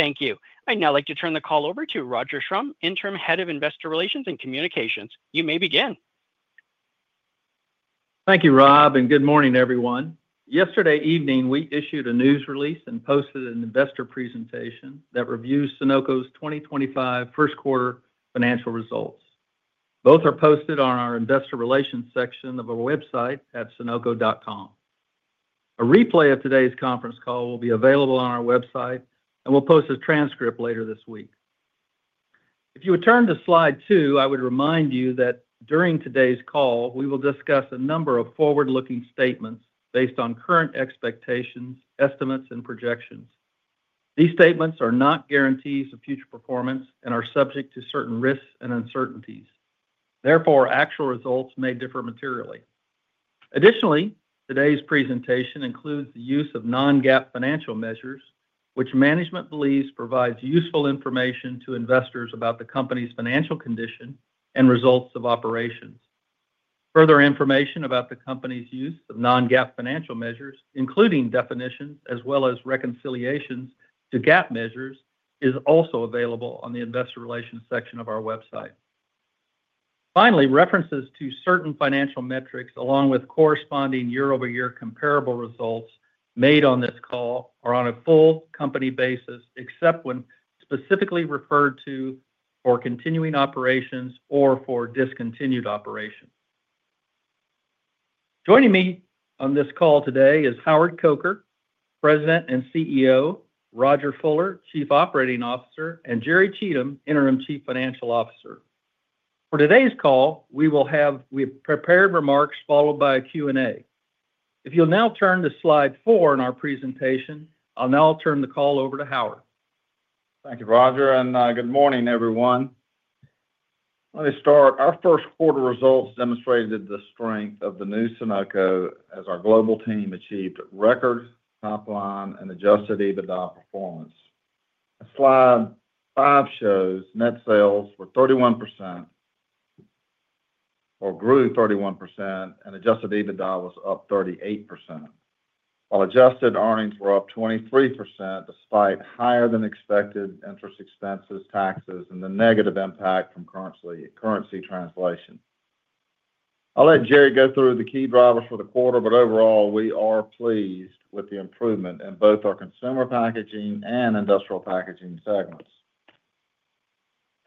Thank you. I'd now like to turn the call over to Roger Schrum, Interim Head of Investor Relations and Communications. You may begin. Thank you, Rob, and good morning, everyone. Yesterday evening, we issued a news release and posted an investor presentation that reviews Sonoco's 2025 first-quarter financial results. Both are posted on our Investor Relations section of our website at sonoco.com. A replay of today's conference call will be available on our website, and we'll post a transcript later this week. If you would turn to slide two, I would remind you that during today's call, we will discuss a number of forward-looking statements based on current expectations, estimates, and projections. These statements are not guarantees of future performance and are subject to certain risks and uncertainties. Therefore, actual results may differ materially. Additionally, today's presentation includes the use of non-GAAP financial measures, which management believes provides useful information to investors about the company's financial condition and results of operations. Further information about the company's use of non-GAAP financial measures, including definitions as well as reconciliations to GAAP measures, is also available on the Investor Relations section of our website. Finally, references to certain financial metrics, along with corresponding year-over-year comparable results made on this call, are on a full company basis, except when specifically referred to for continuing operations or for discontinued operations. Joining me on this call today is Howard Coker, President and CEO; Rodger Fuller, Chief Operating Officer; and Jerry Cheatham, Interim Chief Financial Officer. For today's call, we will have prepared remarks followed by a Q&A. If you'll now turn to slide four in our presentation, I'll now turn the call over to Howard. Thank you, Roger, and good morning, everyone. Let me start. Our first-quarter results demonstrated the strength of the new Sonoco as our global team achieved record top-line and adjusted EBITDA performance. Slide five shows net sales were 31% or grew 31%, and adjusted EBITDA was up 38%, while adjusted earnings were up 23%, despite higher-than-expected interest expenses, taxes, and the negative impact from currency translation. I'll let Jerry go through the key drivers for the quarter, but overall, we are pleased with the improvement in both our consumer packaging and industrial packaging segments.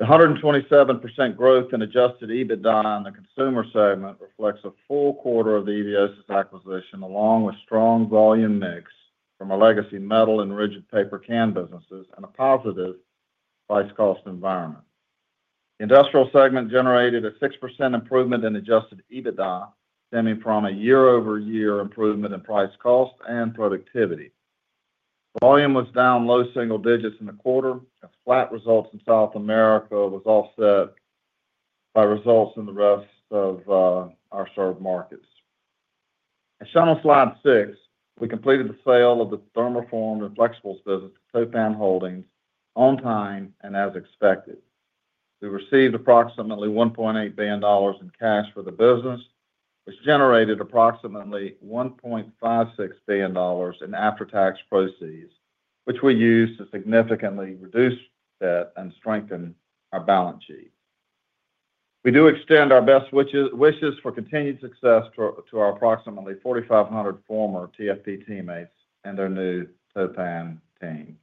The 127% growth in adjusted EBITDA in the consumer segment reflects a full quarter of the Eviosys acquisition, along with strong volume mix from our legacy metal and rigid paper can businesses and a positive price-cost environment. The industrial segment generated a 6% improvement in adjusted EBITDA, stemming from a year-over-year improvement in price cost and productivity. Volume was down low single digits in the quarter, and flat results in South America were offset by results in the rest of our served markets. As shown on slide six, we completed the sale of the Thermoform and Flexibles business to Toppan Holdings on time and as expected. We received approximately $1.8 billion in cash for the business, which generated approximately $1.56 billion in after-tax proceeds, which we used to significantly reduce debt and strengthen our balance sheet. We do extend our best wishes for continued success to our approximately 4,500 former TFP teammates and their new Toppan team.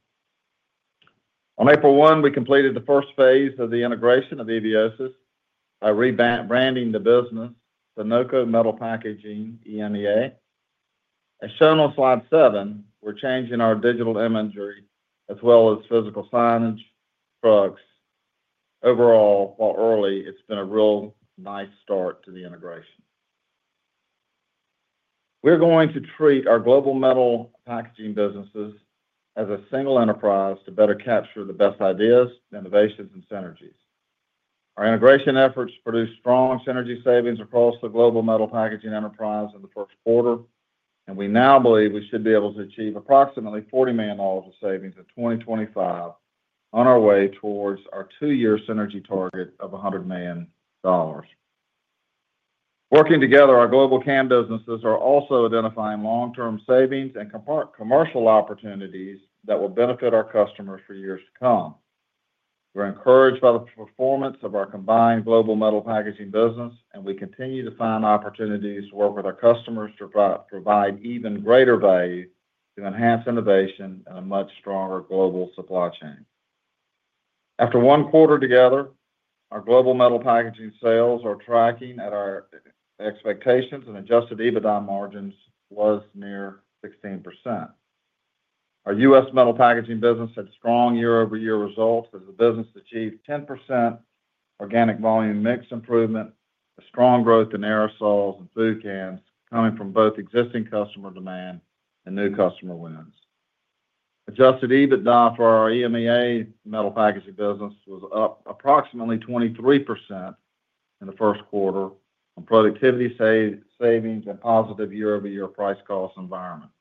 On April 1, we completed the first phase of the integration of Eviosys by rebranding the business, Sonoco Metal Packaging EMEA. As shown on slide seven, we're changing our digital imagery as well as physical signage trucks. Overall, while early, it's been a real nice start to the integration. We're going to treat our global metal packaging businesses as a single enterprise to better capture the best ideas, innovations, and synergies. Our integration efforts produced strong synergy savings across the global metal packaging enterprise in the first quarter, and we now believe we should be able to achieve approximately $40 million of savings in 2025 on our way towards our two-year synergy target of $100 million. Working together, our global can businesses are also identifying long-term savings and commercial opportunities that will benefit our customers for years to come. We're encouraged by the performance of our combined global metal packaging business, and we continue to find opportunities to work with our customers to provide even greater value to enhance innovation and a much stronger global supply chain. After one quarter together, our global metal packaging sales are tracking at our expectations, and adjusted EBITDA margins were near 16%. Our U.S. metal packaging business had strong year-over-year results as the business achieved 10% organic volume mix improvement, with strong growth in aerosols and food cans coming from both existing customer demand and new customer wins. Adjusted EBITDA for our EMEA metal packaging business was up approximately 23% in the first quarter on productivity savings and positive year-over-year price-cost environment.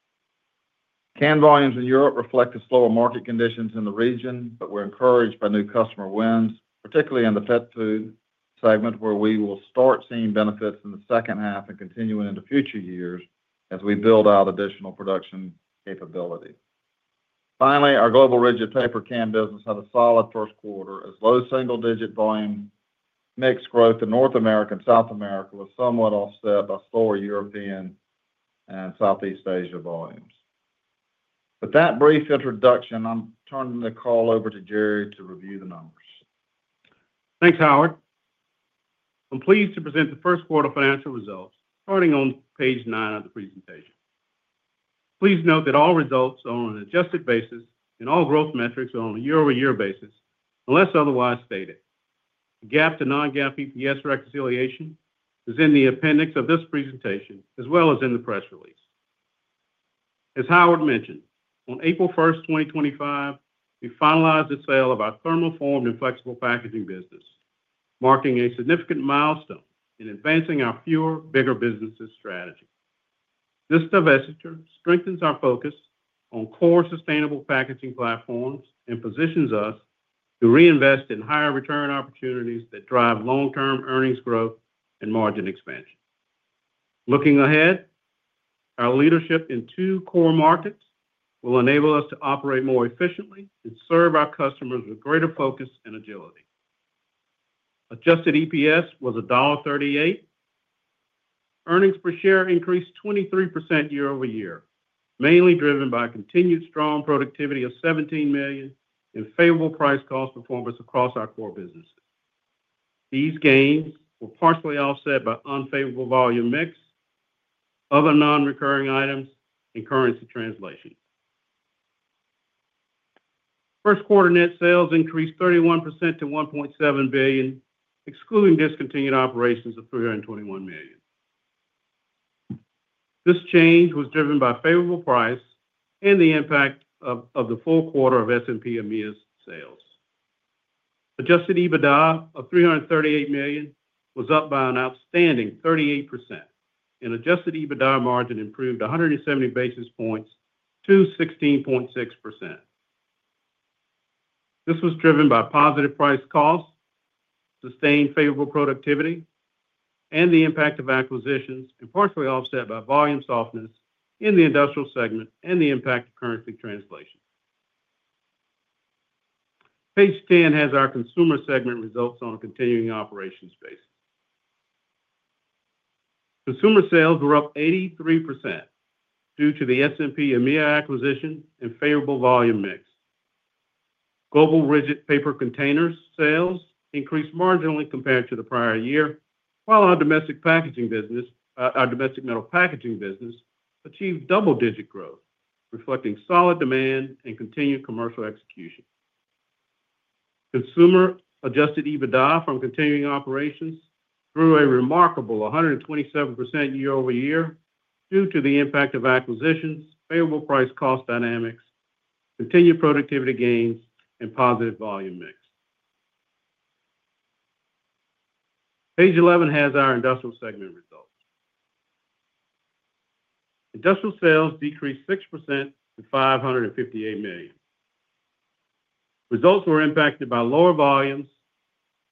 Can volumes in Europe reflect the slower market conditions in the region, but we're encouraged by new customer wins, particularly in the pet food segment, where we will start seeing benefits in the second half and continue into future years as we build out additional production capability. Finally, our global rigid paper can business had a solid first quarter as low single-digit volume mix growth in North America and South America was somewhat offset by slower European and Southeast Asia volumes. With that brief introduction, I'm turning the call over to Jerry to review the numbers. Thanks, Howard. I'm pleased to present the first-quarter financial results starting on page nine of the presentation. Please note that all results are on an adjusted basis, and all growth metrics are on a year-over-year basis, unless otherwise stated. The GAAP to non-GAAP EPS reconciliation is in the appendix of this presentation as well as in the press release. As Howard mentioned, on April 1, 2025, we finalized the sale of our Thermoform and Flexible Packaging business, marking a significant milestone in advancing our fewer-bigger businesses strategy. This divestiture strengthens our focus on core sustainable packaging platforms and positions us to reinvest in higher return opportunities that drive long-term earnings growth and margin expansion. Looking ahead, our leadership in two core markets will enable us to operate more efficiently and serve our customers with greater focus and agility. Adjusted EPS was $1.38. Earnings per share increased 23% year-over-year, mainly driven by continued strong productivity of $17 million and favorable price-cost performance across our core businesses. These gains were partially offset by unfavorable volume mix, other non-recurring items, and currency translation. First-quarter net sales increased 31% to $1.7 billion, excluding discontinued operations of $321 million. This change was driven by favorable price and the impact of the full quarter of SMP EMEA sales. Adjusted EBITDA of $338 million was up by an outstanding 38%, and adjusted EBITDA margin improved 170 basis points to 16.6%. This was driven by positive price-cost, sustained favorable productivity, and the impact of acquisitions, and partially offset by volume softness in the industrial segment and the impact of currency translation. Page 10 has our consumer segment results on a continuing operations basis. Consumer sales were up 83% due to the SMP EMEA acquisition and favorable volume mix. Global rigid paper container sales increased marginally compared to the prior year, while our domestic metal packaging business achieved double-digit growth, reflecting solid demand and continued commercial execution. Consumer adjusted EBITDA from continuing operations grew a remarkable 127% year-over-year due to the impact of acquisitions, favorable price-cost dynamics, continued productivity gains, and positive volume mix. Page 11 has our industrial segment results. Industrial sales decreased 6% to $558 million. Results were impacted by lower volumes,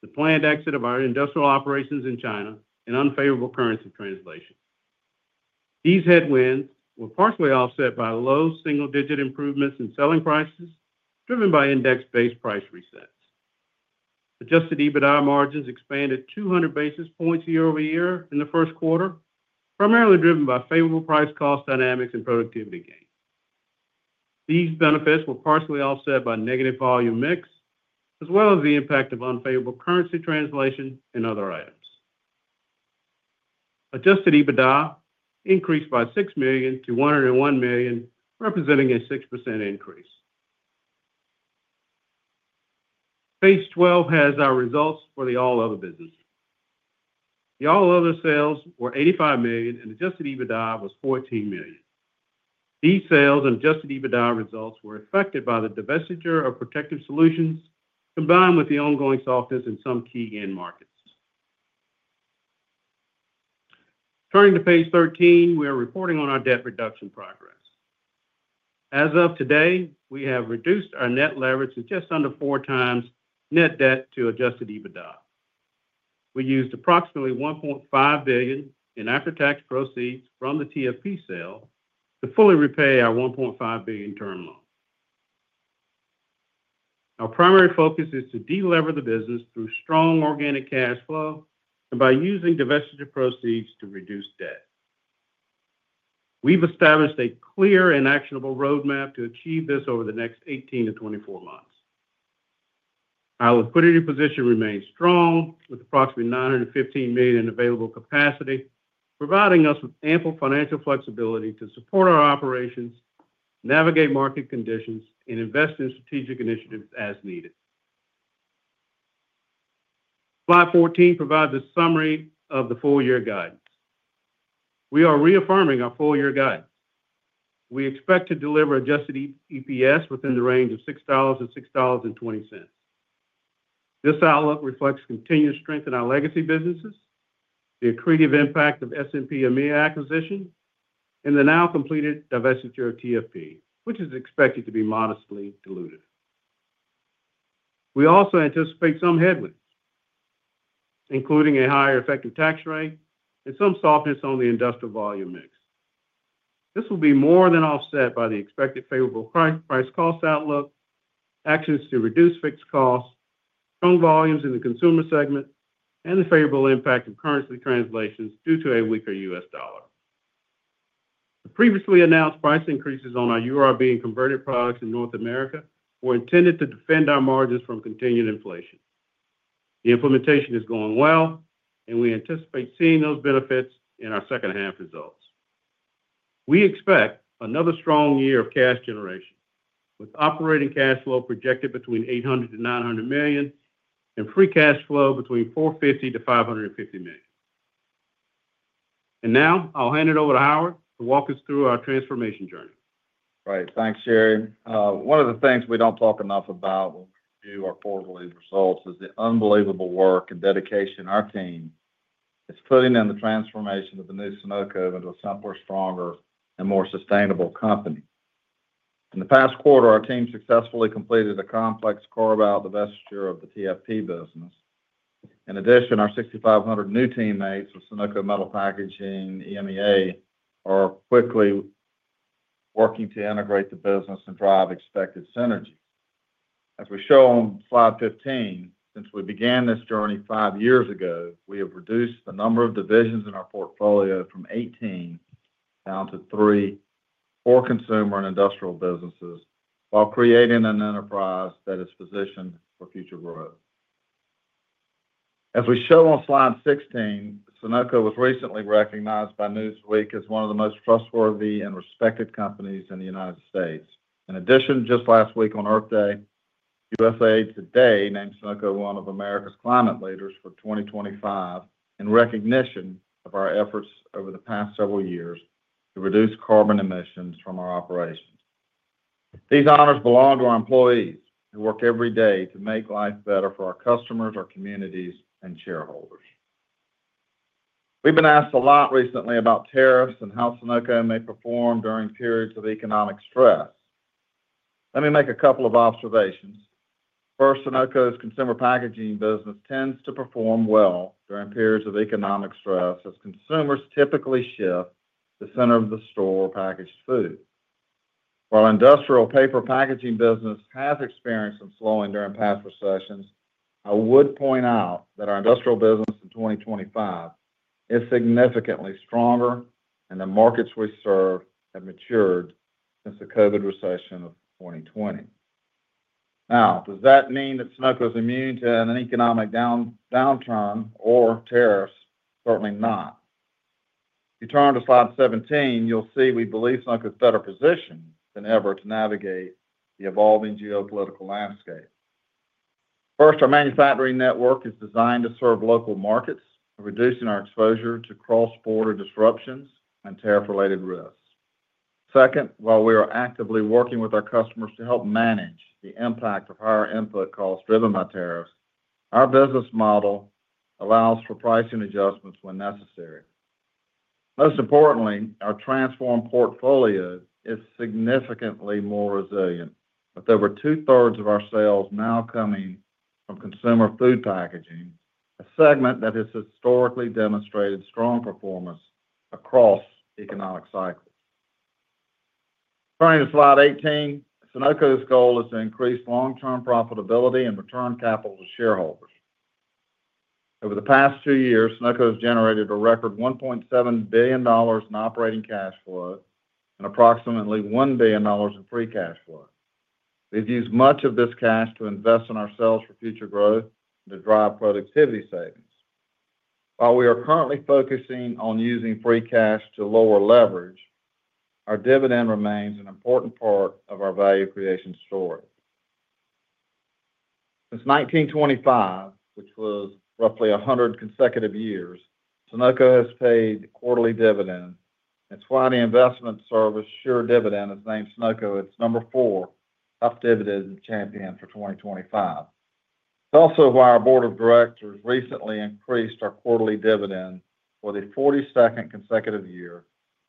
the planned exit of our industrial operations in China, and unfavorable currency translation. These headwinds were partially offset by low single-digit improvements in selling prices driven by index-based price resets. Adjusted EBITDA margins expanded 200 basis points year-over-year in the first quarter, primarily driven by favorable price-cost dynamics and productivity gains. These benefits were partially offset by negative volume mix, as well as the impact of unfavorable currency translation and other items. Adjusted EBITDA increased by $6 million to $101 million, representing a 6% increase. Page 12 has our results for the all-other business. The all-other sales were $85 million, and adjusted EBITDA was $14 million. These sales and adjusted EBITDA results were affected by the divestiture of protective solutions combined with the ongoing softness in some key end markets. Turning to page 13, we are reporting on our debt reduction progress. As of today, we have reduced our net leverage to just under 4x net debt to adjusted EBITDA. We used approximately $1.5 billion in after-tax proceeds from the TFP sale to fully repay our $1.5 billion term loan. Our primary focus is to delever the business through strong organic cash flow and by using divestiture proceeds to reduce debt. We've established a clear and actionable roadmap to achieve this over the next 18 to 24 months. Our liquidity position remains strong with approximately $915 million in available capacity, providing us with ample financial flexibility to support our operations, navigate market conditions, and invest in strategic initiatives as needed. Slide 14 provides a summary of the full-year guidance. We are reaffirming our full-year guidance. We expect to deliver adjusted EPS within the range of $6.00-$6.20. This outlook reflects continued strength in our legacy businesses, the accretive impact of SMP EMEA acquisition, and the now completed divestiture of TFP, which is expected to be modestly diluted. We also anticipate some headwinds, including a higher effective tax rate and some softness on the industrial volume mix. This will be more than offset by the expected favorable price-cost outlook, actions to reduce fixed costs, strong volumes in the consumer segment, and the favorable impact of currency translations due to a weaker U.S. dollar. The previously announced price increases on our URB and converted products in North America were intended to defend our margins from continued inflation. The implementation is going well, and we anticipate seeing those benefits in our second-half results. We expect another strong year of cash generation, with operating cash flow projected between $800 million to $900 million and free cash flow between $450 million to $550 million. I will hand it over to Howard to walk us through our transformation journey. Right. Thanks, Jerry. One of the things we don't talk enough about when we do our quarterly results is the unbelievable work and dedication our team is putting in the transformation of the new Sonoco into a simpler, stronger, and more sustainable company. In the past quarter, our team successfully completed a complex carve-out divestiture of the TFP business. In addition, our 6,500 new teammates with Sonoco Metal Packaging EMEA are quickly working to integrate the business and drive expected synergy. As we show on slide 15, since we began this journey five years ago, we have reduced the number of divisions in our portfolio from 18 down to three for consumer and industrial businesses while creating an enterprise that is positioned for future growth. As we show on slide 16, Sonoco was recently recognized by Newsweek as one of the most trustworthy and respected companies in the United States. In addition, just last week on Earth Day, USA Today named Sonoco one of America's climate leaders for 2025 in recognition of our efforts over the past several years to reduce carbon emissions from our operations. These honors belong to our employees who work every day to make life better for our customers, our communities, and shareholders. We've been asked a lot recently about tariffs and how Sonoco may perform during periods of economic stress. Let me make a couple of observations. First, Sonoco's consumer packaging business tends to perform well during periods of economic stress as consumers typically shift to the center of the store or packaged food. While our industrial paper packaging business has experienced some slowing during past recessions, I would point out that our industrial business in 2025 is significantly stronger and the markets we serve have matured since the COVID recession of 2020. Now, does that mean that Sonoco is immune to an economic downturn or tariffs? Certainly not. If you turn to slide 17, you'll see we believe Sonoco is better positioned than ever to navigate the evolving geopolitical landscape. First, our manufacturing network is designed to serve local markets, reducing our exposure to cross-border disruptions and tariff-related risks. Second, while we are actively working with our customers to help manage the impact of higher input costs driven by tariffs, our business model allows for pricing adjustments when necessary. Most importantly, our transformed portfolio is significantly more resilient, with over two-thirds of our sales now coming from consumer food packaging, a segment that has historically demonstrated strong performance across economic cycles. Turning to slide 18, Sonoco's goal is to increase long-term profitability and return capital to shareholders. Over the past two years, Sonoco has generated a record $1.7 billion in operating cash flow and approximately $1 billion in free cash flow. We've used much of this cash to invest in ourselves for future growth and to drive productivity savings. While we are currently focusing on using free cash to lower leverage, our dividend remains an important part of our value creation story. Since 1925, which was roughly 100 consecutive years, Sonoco has paid quarterly dividends. That's why the investment service Sure Dividend has named Sonoco its number four Top Dividend Champion for 2025. It's also why our board of directors recently increased our quarterly dividend for the 42nd consecutive year,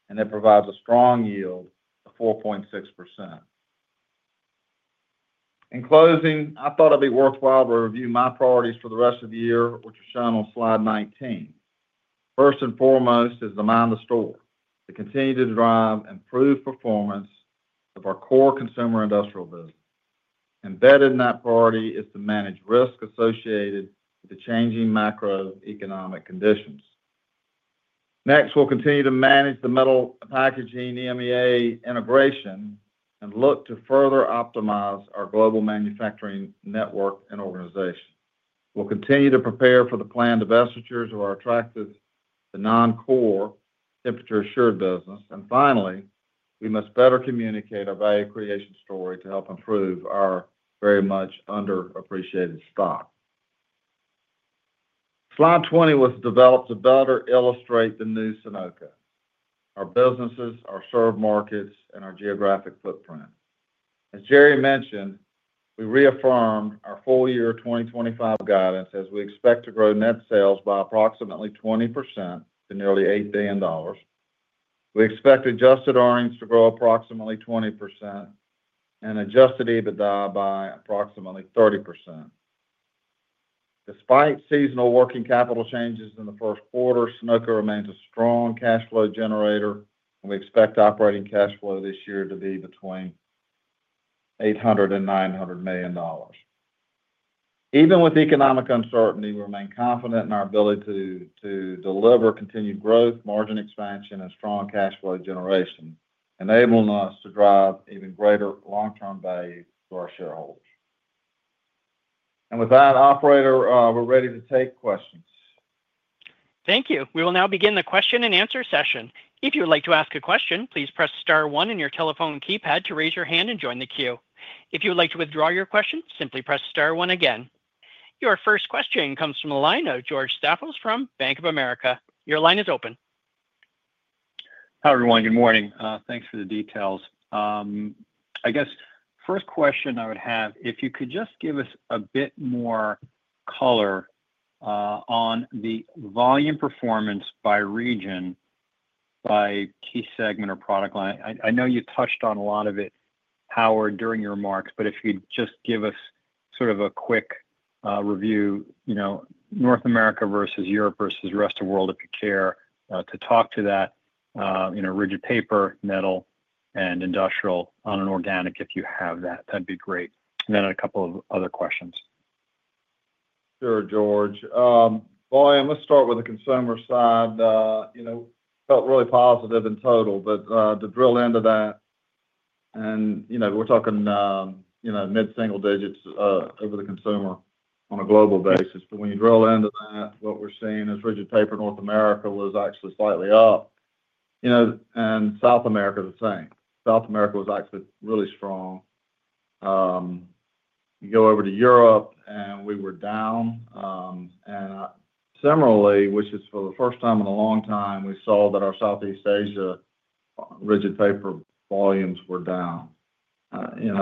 and it provides a strong yield of 4.6%. In closing, I thought it'd be worthwhile to review my priorities for the rest of the year, which are shown on slide 19. First and foremost is to mind the store, to continue to drive improved performance of our core consumer industrial business. Embedded in that priority is to manage risk associated with the changing macroeconomic conditions. Next, we will continue to manage the metal packaging EMEA integration and look to further optimize our global manufacturing network and organization. We will continue to prepare for the planned divestitures of our attractive non-core temperature assured business. Finally, we must better communicate our value creation story to help improve our very much underappreciated stock. Slide 20 was developed to better illustrate the new Sonoco, our businesses, our served markets, and our geographic footprint. As Jerry mentioned, we reaffirmed our full-year 2025 guidance as we expect to grow net sales by approximately 20% to nearly $8 billion. We expect adjusted earnings to grow approximately 20% and adjusted EBITDA by approximately 30%. Despite seasonal working capital changes in the first quarter, Sonoco remains a strong cash flow generator, and we expect operating cash flow this year to be between $800 million and $900 million. Even with economic uncertainty, we remain confident in our ability to deliver continued growth, margin expansion, and strong cash flow generation, enabling us to drive even greater long-term value to our shareholders. With that, Operator, we are ready to take questions. Thank you. We will now begin the question and answer session. If you would like to ask a question, please press star one on your telephone keypad to raise your hand and join the queue. If you would like to withdraw your question, simply press star one again. Your first question comes from the line of George Staphos from Bank of America. Your line is open. Hi, everyone. Good morning. Thanks for the details. I guess first question I would have, if you could just give us a bit more color on the volume performance by region, by key segment or product line. I know you touched on a lot of it, Howard, during your remarks, but if you'd just give us sort of a quick review, North America versus Europe versus the rest of the world, if you care to talk to that rigid paper, metal, and industrial on an organic, if you have that, that'd be great. And then a couple of other questions. Sure, George. I am, let's start with the consumer side. Felt really positive in total, but to drill into that, and we're talking mid-single digits over the consumer on a global basis. When you drill into that, what we're seeing is rigid paper North America was actually slightly up, and South America the same. South America was actually really strong. You go over to Europe and we were down. Similarly, which is for the first time in a long time, we saw that our Southeast Asia rigid paper volumes were down. In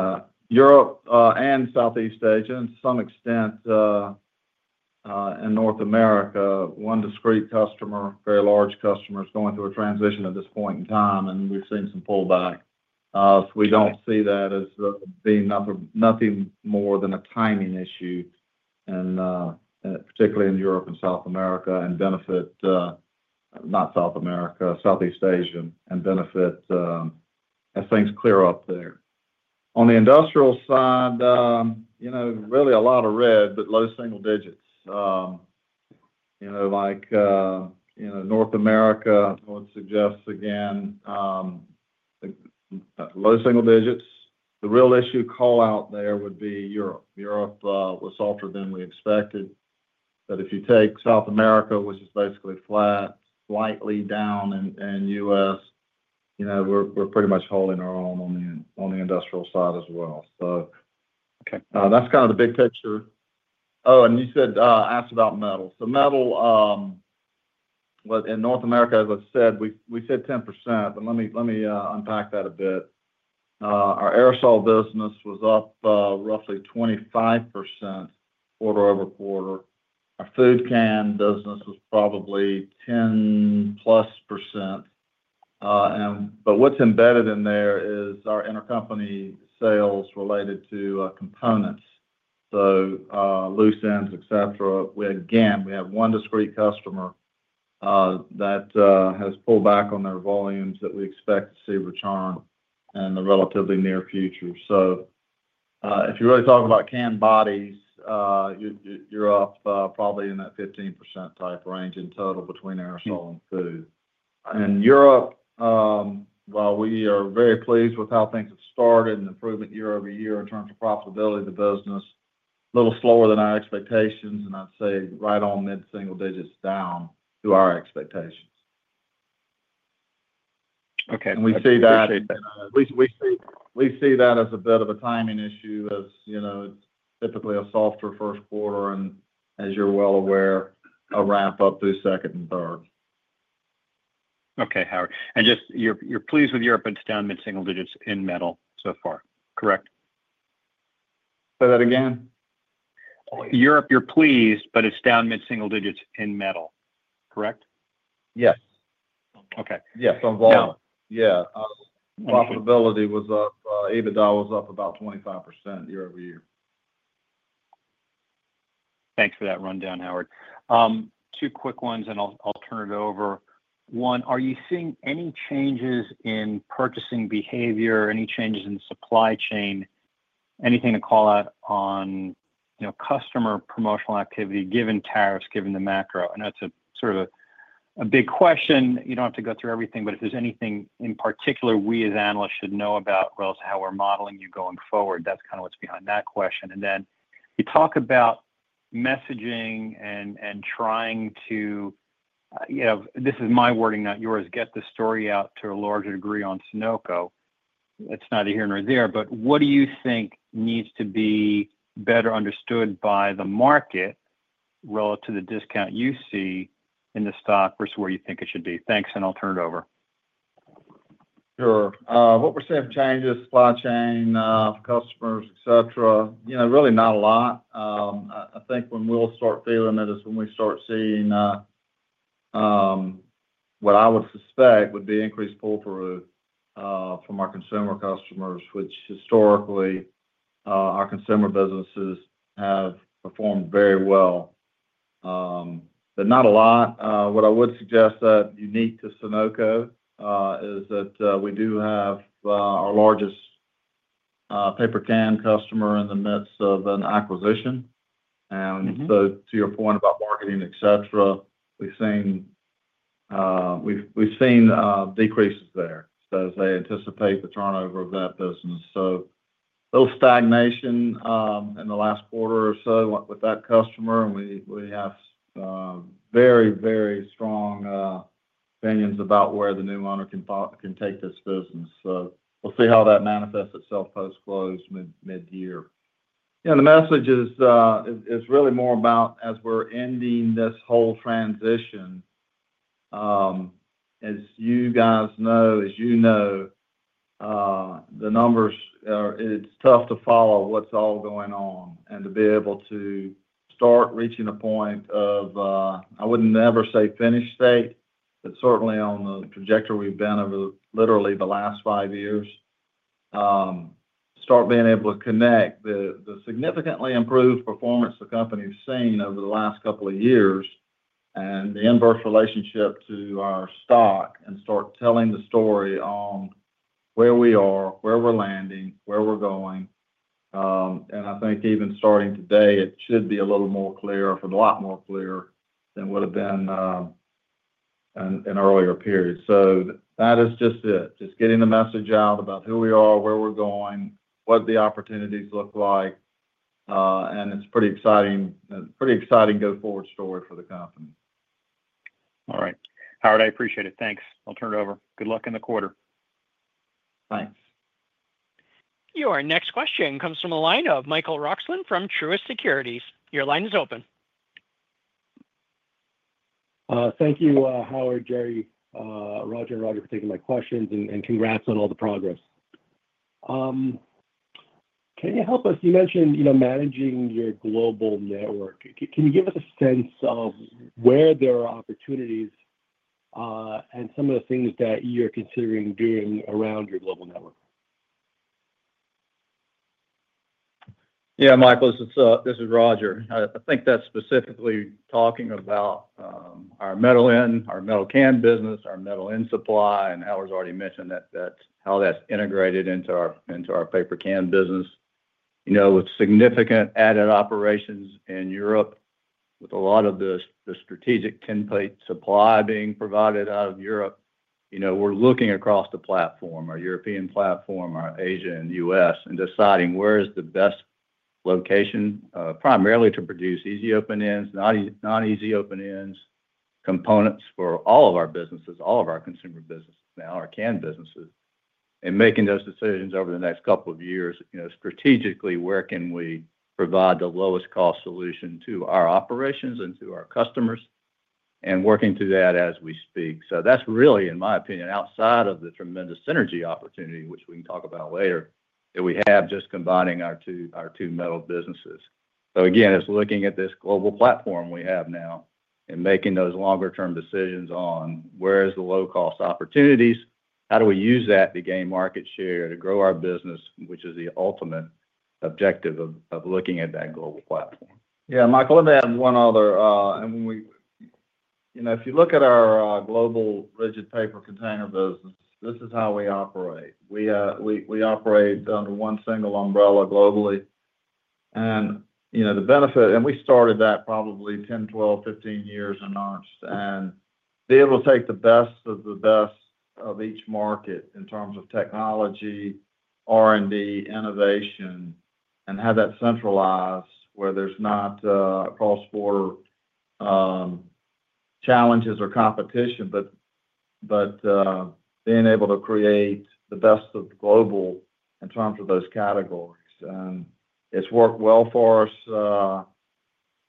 Europe and Southeast Asia, to some extent, and North America, one discrete customer, very large customers going through a transition at this point in time, and we've seen some pullback. We do not see that as being nothing more than a timing issue, and particularly in Europe and South America, and benefit—not South America, Southeast Asia—and benefit as things clear up there. On the industrial side, really a lot of red, but low single digits. Like North America, I would suggest again, low single digits. The real issue call out there would be Europe. Europe was softer than we expected. If you take South America, which is basically flat, slightly down, and US, we are pretty much holding our own on the industrial side as well. That is kind of the big picture. Oh, and you asked about metal. Metal, in North America, as I said, we said 10%, but let me unpack that a bit. Our aerosol business was up roughly 25% quarter over quarter. Our food can business was probably 10+%. What is embedded in there is our intercompany sales related to components, so loose ends, etc. Again, we have one discrete customer that has pulled back on their volumes that we expect to see return in the relatively near future. If you really talk about can bodies, you're up probably in that 15% type range in total between aerosol and food. In Europe, while we are very pleased with how things have started and improvement year-over-year in terms of profitability of the business, a little slower than our expectations, and I'd say right on mid-single digits down to our expectations. We see that as a bit of a timing issue as typically a softer first quarter, and as you're well aware, a ramp up through second and third. Okay, Howard. You are pleased with Europe but it is down mid-single digits in metal so far, correct? Say that again. Europe, you're pleased, but it's down mid-single digits in metal, correct? Yes. Okay. Yes. Yeah. Profitability was up. EBITDA was up about 25% year-over-year. Thanks for that rundown, Howard. Two quick ones, and I'll turn it over. One, are you seeing any changes in purchasing behavior, any changes in supply chain, anything to call out on customer promotional activity given tariffs, given the macro? I know it's sort of a big question. You don't have to go through everything, but if there's anything in particular we as analysts should know about relative to how we're modeling you going forward, that's kind of what's behind that question. You talk about messaging and trying to, this is my wording, not yours, get the story out to a larger degree on Sonoco. It's neither here nor there, but what do you think needs to be better understood by the market relative to the discount you see in the stock versus where you think it should be? Thanks, and I'll turn it over. Sure. What we're seeing of changes, supply chain, customers, etc., really not a lot. I think when we'll start feeling it is when we start seeing what I would suspect would be increased pull-through from our consumer customers, which historically our consumer businesses have performed very well. Not a lot. What I would suggest that is unique to Sonoco is that we do have our largest paper can customer in the midst of an acquisition. To your point about marketing, etc., we've seen decreases there as they anticipate the turnover of that business. A little stagnation in the last quarter or so with that customer, and we have very, very strong opinions about where the new owner can take this business. We'll see how that manifests itself post-close, mid-year. The message is really more about as we're ending this whole transition, as you guys know, as you know, the numbers, it's tough to follow what's all going on and to be able to start reaching a point of, I wouldn't ever say finish state, but certainly on the trajectory we've been over literally the last five years, start being able to connect the significantly improved performance the company has seen over the last couple of years and the inverse relationship to our stock and start telling the story on where we are, where we're landing, where we're going. I think even starting today, it should be a little more clear, a lot more clear than would have been in earlier periods. That is just it. Just getting the message out about who we are, where we're going, what the opportunities look like. It is a pretty exciting go forward story for the company. All right. Howard, I appreciate it. Thanks. I'll turn it over. Good luck in the quarter. Thanks. Your next question comes from the line of Michael Roxland from Truist Securities. Your line is open. Thank you, Howard, Jerry, Roger, and Roger for taking my questions and congrats on all the progress. Can you help us? You mentioned managing your global network. Can you give us a sense of where there are opportunities and some of the things that you're considering doing around your global network? Yeah, Michael, this is Roger. I think that's specifically talking about our metal can business, our metal end supply, and Howard's already mentioned how that's integrated into our paper can business. With significant added operations in Europe, with a lot of the strategic tin plate supply being provided out of Europe, we're looking across the platform, our European platform, our Asia and U.S., and deciding where is the best location, primarily to produce easy open ends, non-easy open ends, components for all of our businesses, all of our consumer businesses now, our can businesses, and making those decisions over the next couple of years, strategically, where can we provide the lowest cost solution to our operations and to our customers and working through that as we speak. That's really, in my opinion, outside of the tremendous synergy opportunity, which we can talk about later, that we have just combining our two metal businesses. Again, it's looking at this global platform we have now and making those longer-term decisions on where is the low-cost opportunities, how do we use that to gain market share, to grow our business, which is the ultimate objective of looking at that global platform. Yeah, Michael, let me add one other. If you look at our global rigid paper container business, this is how we operate. We operate under one single umbrella globally. The benefit, and we started that probably 10, 12, 15 years in March, and be able to take the best of the best of each market in terms of technology, R&D, innovation, and have that centralized where there is not cross-border challenges or competition, but being able to create the best of global in terms of those categories. It has worked well for us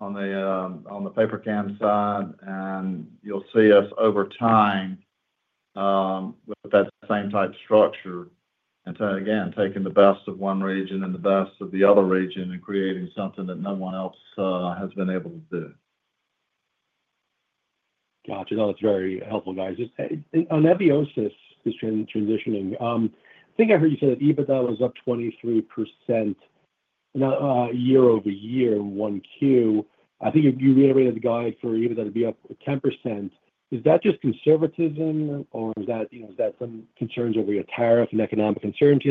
on the paper can side, and you will see us over time with that same type structure. Again, taking the best of one region and the best of the other region and creating something that no one else has been able to do. Gotcha. That was very helpful, guys. On Eviosys, who's transitioning, I think I heard you said that EBITDA was up 23% year-over-year in one Q. I think you reiterated the guide for EBITDA to be up 10%. Is that just conservatism, or is that some concerns over your tariff and economic uncertainty?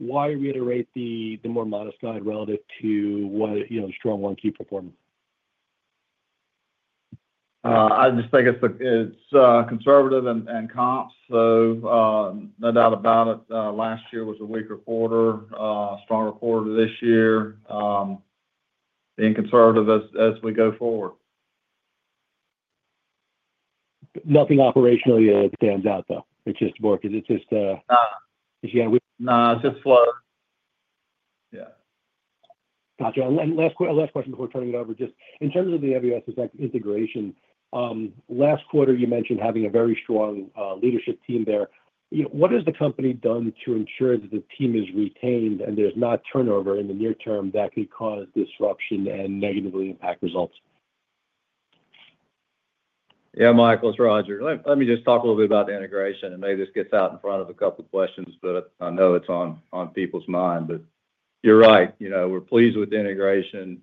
Why reiterate the more modest guide relative to the strong one Q performance? I just think it's conservative and comps, so no doubt about it. Last year was a weaker quarter, stronger quarter this year, being conservative as we go forward. Nothing operationally stands out, though. It's just work. It's just. No, it's just flow. Yeah. Gotcha. Last question before turning it over. Just in terms of the Eviosys integration, last quarter, you mentioned having a very strong leadership team there. What has the company done to ensure that the team is retained and there is not turnover in the near term that could cause disruption and negatively impact results? Yeah, Michael, it's Roger. Let me just talk a little bit about the integration, and maybe this gets out in front of a couple of questions, but I know it's on people's mind. You're right. We're pleased with the integration,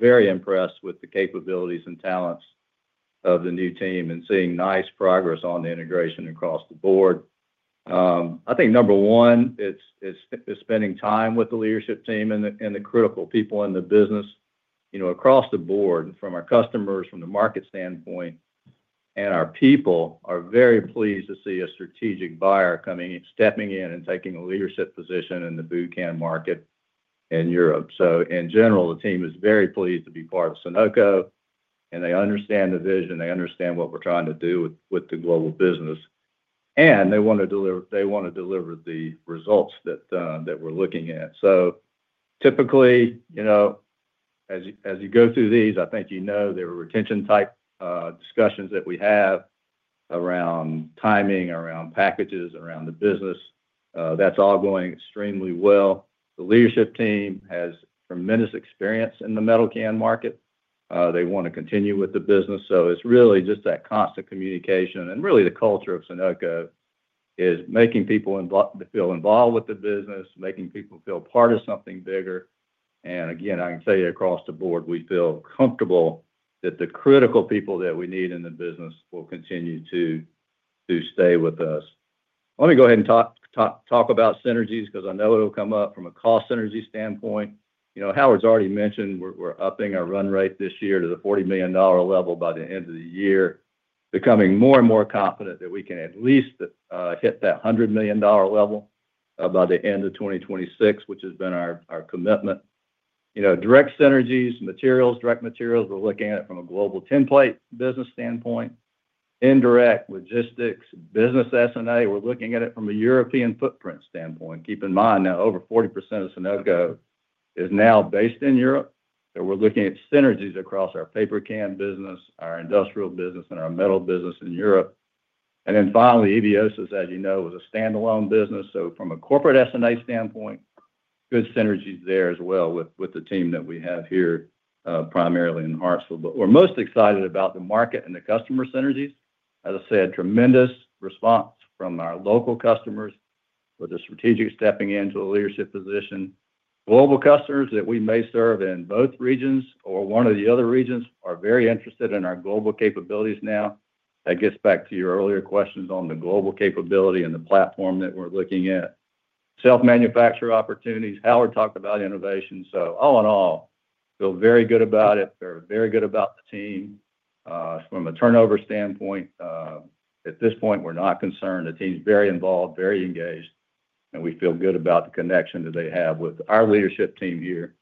very impressed with the capabilities and talents of the new team and seeing nice progress on the integration across the board. I think number one, it's spending time with the leadership team and the critical people in the business across the board from our customers, from the market standpoint, and our people are very pleased to see a strategic buyer coming in, stepping in and taking a leadership position in the bootcamp market in Europe. In general, the team is very pleased to be part of Sonoco, and they understand the vision. They understand what we're trying to do with the global business, and they want to deliver the results that we're looking at. Typically, as you go through these, I think you know there are retention-type discussions that we have around timing, around packages, around the business. That's all going extremely well. The leadership team has tremendous experience in the metal can market. They want to continue with the business. It's really just that constant communication. Really, the culture of Sonoco is making people feel involved with the business, making people feel part of something bigger. Again, I can tell you across the board, we feel comfortable that the critical people that we need in the business will continue to stay with us. Let me go ahead and talk about synergies because I know it'll come up from a cost synergy standpoint. Howard's already mentioned we're upping our run rate this year to the $40 million level by the end of the year, becoming more and more confident that we can at least hit that $100 million level by the end of 2026, which has been our commitment. Direct synergies, materials, direct materials, we're looking at it from a global tin plate business standpoint. Indirect logistics, business S&A, we're looking at it from a European footprint standpoint. Keep in mind now, over 40% of Sonoco is now based in Europe. We're looking at synergies across our paper can business, our industrial business, and our metal business in Europe. Finally, Eviosys, as you know, is a standalone business. From a corporate S&A standpoint, good synergies there as well with the team that we have here primarily in Hartsville. We're most excited about the market and the customer synergies. As I said, tremendous response from our local customers with a strategic stepping into a leadership position. Global customers that we may serve in both regions or one or the other regions are very interested in our global capabilities now. That gets back to your earlier questions on the global capability and the platform that we're looking at. Self-manufactured opportunities, Howard talked about innovation. All in all, feel very good about it. They're very good about the team. From a turnover standpoint, at this point, we're not concerned. The team's very involved, very engaged, and we feel good about the connection that they have with our leadership team here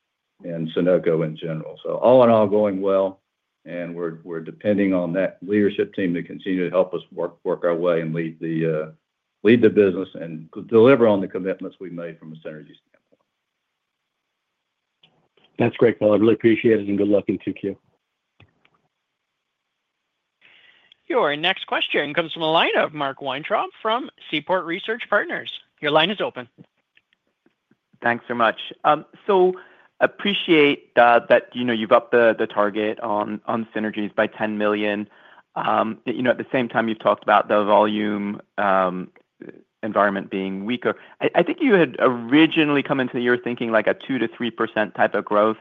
and Sonoco in general. All in all, going well, and we're depending on that leadership team to continue to help us work our way and lead the business and deliver on the commitments we made from a synergy standpoint. That's great, Paul. I really appreciate it, and good luck in 2Q. Your next question comes from the line of Mark Weintraub from Seaport Research Partners. Your line is open. Thanks so much. Appreciate that you've upped the target on synergies by $10 million. At the same time, you've talked about the volume environment being weaker. I think you had originally come into the year thinking like a 2-3% type of growth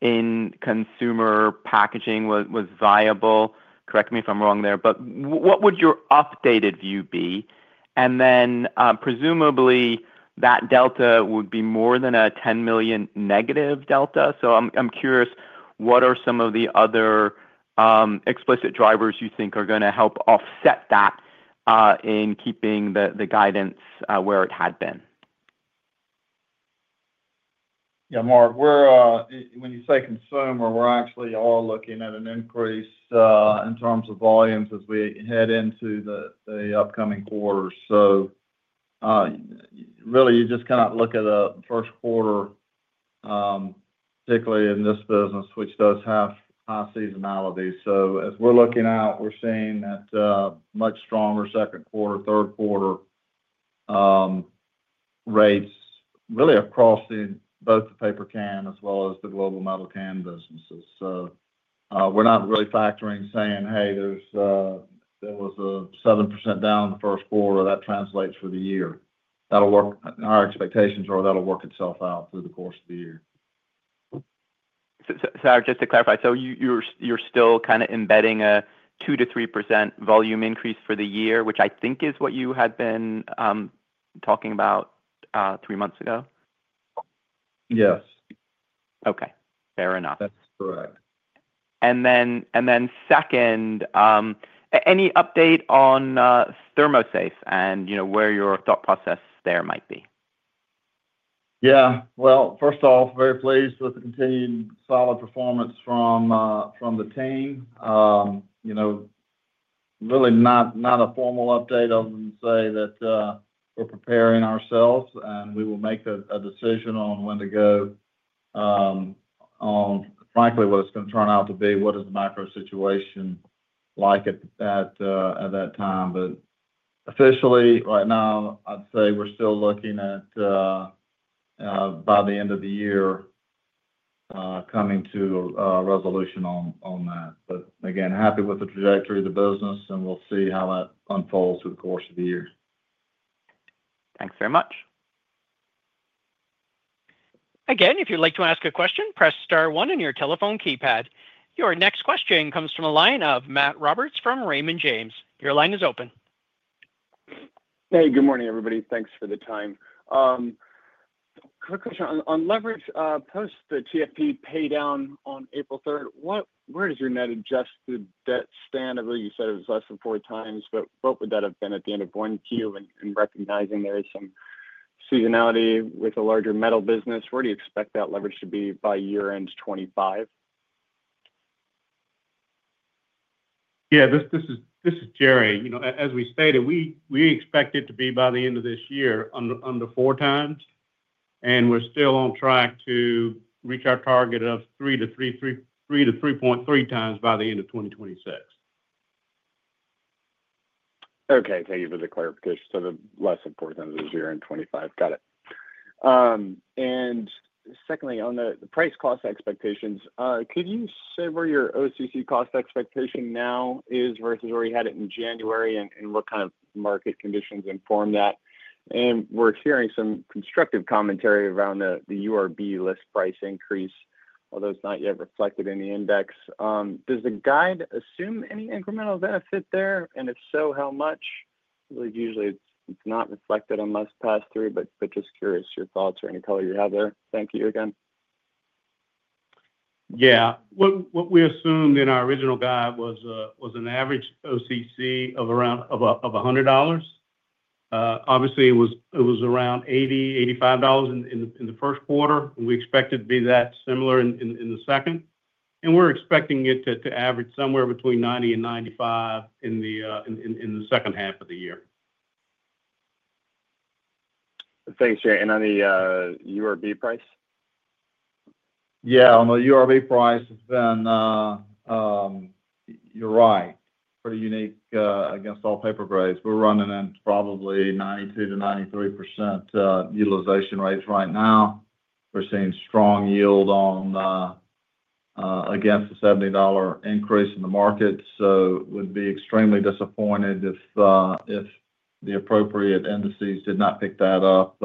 in consumer packaging was viable. Correct me if I'm wrong there. What would your updated view be? Presumably, that delta would be more than a $10 million negative delta. I'm curious, what are some of the other explicit drivers you think are going to help offset that in keeping the guidance where it had been? Yeah, Mark, when you say consumer, we're actually all looking at an increase in terms of volumes as we head into the upcoming quarter. You just kind of look at the first quarter, particularly in this business, which does have high seasonality. As we're looking out, we're seeing that much stronger second quarter, third quarter rates really across both the paper can as well as the global metal can businesses. We're not really factoring saying, "Hey, there was a 7% down in the first quarter. That translates for the year." Our expectations are that'll work itself out through the course of the year. Just to clarify, so you're still kind of embedding a 2-3% volume increase for the year, which I think is what you had been talking about three months ago? Yes. Okay. Fair enough. That's correct. Second, any update on ThermoSafe and where your thought process there might be? Yeah. First off, very pleased with the continued solid performance from the team. Really not a formal update other than to say that we're preparing ourselves and we will make a decision on when to go on, frankly, what it's going to turn out to be, what is the macro situation like at that time. Officially, right now, I'd say we're still looking at, by the end of the year, coming to a resolution on that. Again, happy with the trajectory of the business, and we'll see how that unfolds through the course of the year. Thanks very much. Again, if you'd like to ask a question, press star one on your telephone keypad. Your next question comes from the line of Matt Roberts from Raymond James. Your line is open. Hey, good morning, everybody. Thanks for the time. Quick question. On leverage post the TFP pay down on April 3, where does your net adjusted debt stand? I believe you said it was less than 4x, but what would that have been at the end of one Q and recognizing there is some seasonality with a larger metal business? Where do you expect that leverage to be by year-end 2025? Yeah, this is Jerry. As we stated, we expect it to be by the end of this year under 4 times, and we're still on track to reach our target of 3-3.3x by the end of 2026. Thank you for the clarification. Less than 4x this year in 2025. Got it. Secondly, on the price-cost expectations, could you say where your OCC cost expectation now is versus where you had it in January and what kind of market conditions inform that? We are hearing some constructive commentary around the URB list price increase, although it is not yet reflected in the index. Does the guide assume any incremental benefit there? If so, how much? Usually, it is not reflected on most pass-through, but just curious your thoughts or any color you have there. Thank you again. Yeah. What we assumed in our original guide was an average OCC of $100. Obviously, it was around $80-$85 in the first quarter. We expected it to be that similar in the second. We are expecting it to average somewhere between $90-$95 in the second half of the year. Thanks, Jerry. On the URB price? Yeah. On the URB price, you're right. Pretty unique against all paper grades. We're running at probably 92-93% utilization rates right now. We're seeing strong yield against the $70 increase in the market. We'd be extremely disappointed if the appropriate indices did not pick that up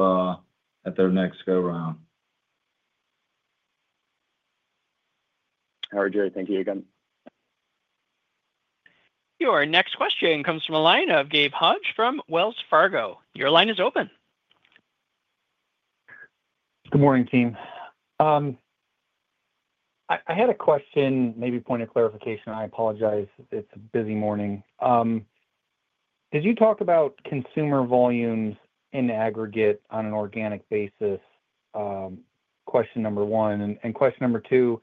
at their next go-around. All right, Jerry. Thank you again. Your next question comes from a line of Gabe Hajde from Wells Fargo. Your line is open. Good morning, team. I had a question, maybe point of clarification. I apologize. It's a busy morning. As you talk about consumer volumes in aggregate on an organic basis, question number one. Question number two,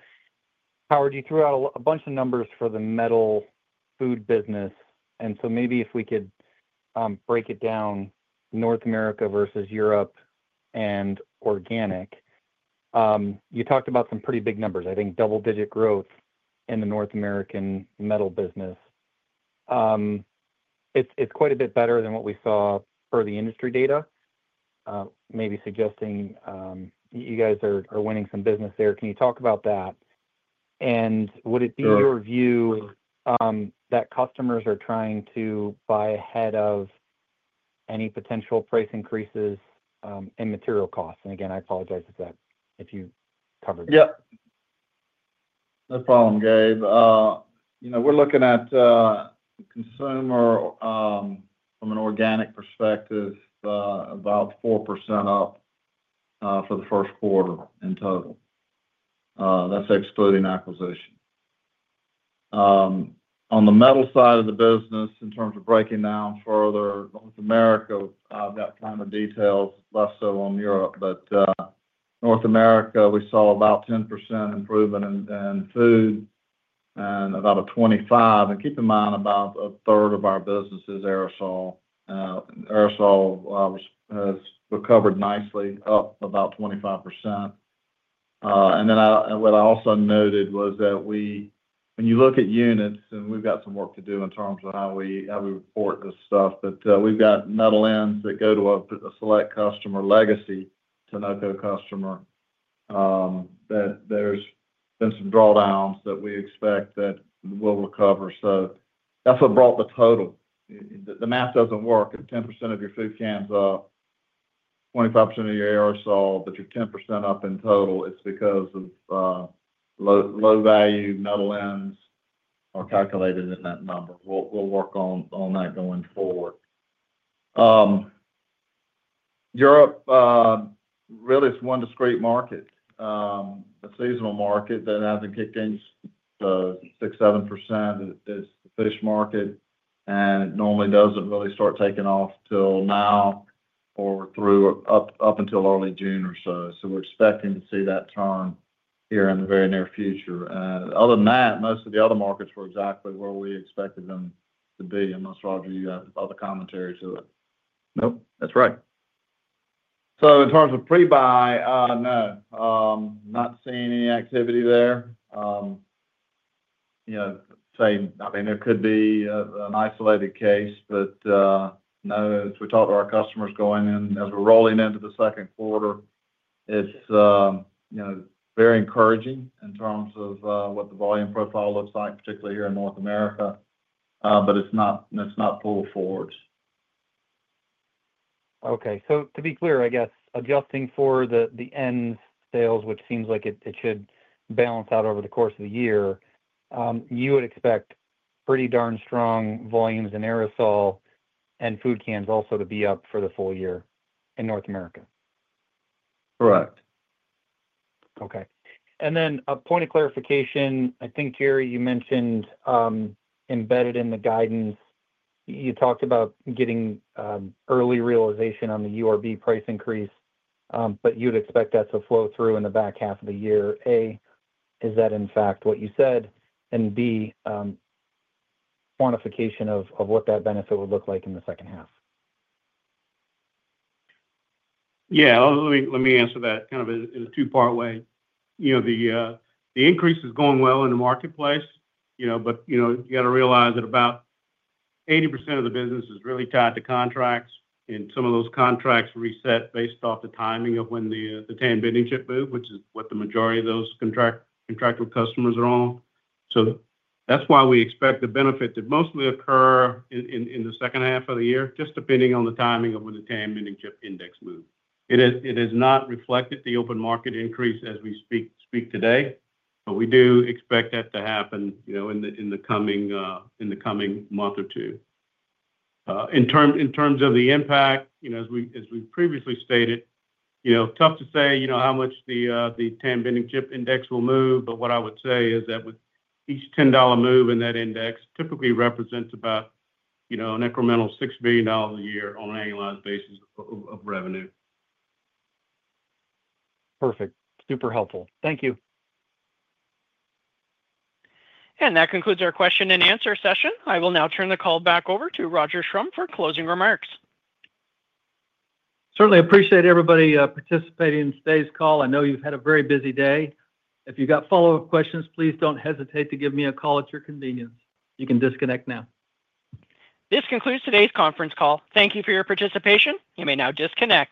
Howard, you threw out a bunch of numbers for the metal food business. Maybe if we could break it down, North America versus Europe and organic. You talked about some pretty big numbers, I think double-digit growth in the North American metal business. It's quite a bit better than what we saw per the industry data, maybe suggesting you guys are winning some business there. Can you talk about that? Would it be your view that customers are trying to buy ahead of any potential price increases in material costs? I apologize if you covered that. Yep. No problem, Gabe. We're looking at consumer from an organic perspective, about 4% up for the first quarter in total. That's excluding acquisition. On the metal side of the business, in terms of breaking down further, North America, I've got kind of details, less so on Europe. North America, we saw about 10% improvement in food and about a 25. Keep in mind, about a third of our business is aerosol. Aerosol has recovered nicely, up about 25%. What I also noted was that when you look at units, and we've got some work to do in terms of how we report this stuff, we've got metal ends that go to a select customer, legacy Sonoco customer, that there's been some drawdowns that we expect that we'll recover. That's what brought the total. The math doesn't work. If 10% of your food cans are up, 25% of your aerosol, but you're 10% up in total, it's because low-value metal ends are calculated in that number. We'll work on that going forward. Europe really is one discrete market, a seasonal market that hasn't kicked in 6-7%. It's the fish market. It normally doesn't really start taking off until now or up until early June or so. We are expecting to see that turn here in the very near future. Other than that, most of the other markets were exactly where we expected them to be. Most likely, you have other commentary to it. Nope. That's right. In terms of pre-buy, no. Not seeing any activity there. I mean, there could be an isolated case, but no. As we talked to our customers going in, as we're rolling into the second quarter, it's very encouraging in terms of what the volume profile looks like, particularly here in North America. It is not pulled forward. Okay. To be clear, I guess, adjusting for the end sales, which seems like it should balance out over the course of the year, you would expect pretty darn strong volumes in aerosol and food cans also to be up for the full year in North America? Correct. Okay. A point of clarification, I think, Jerry, you mentioned embedded in the guidance, you talked about getting early realization on the URB price increase, but you'd expect that to flow through in the back half of the year. A, is that in fact what you said? B, quantification of what that benefit would look like in the second half? Yeah. Let me answer that kind of in a two-part way. The increase is going well in the marketplace, but you got to realize that about 80% of the business is really tied to contracts, and some of those contracts reset based off the timing of when the Tan Bending Chip moved, which is what the majority of those contractual customers are on. That is why we expect the benefit to mostly occur in the second half of the year, just depending on the timing of when the Tan Bending Chip index moved. It has not reflected the open market increase as we speak today, but we do expect that to happen in the coming month or two. In terms of the impact, as we previously stated, tough to say how much the Tan Bending Chip index will move, but what I would say is that with each $10 move in that index typically represents about an incremental $6 million a year on an annualized basis of revenue. Perfect. Super helpful. Thank you. That concludes our question and answer session. I will now turn the call back over to Roger Schrum for closing remarks. Certainly appreciate everybody participating in today's call. I know you've had a very busy day. If you've got follow-up questions, please don't hesitate to give me a call at your convenience. You can disconnect now. This concludes today's conference call. Thank you for your participation. You may now disconnect.